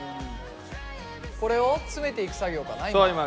これを詰めていく作業かな今？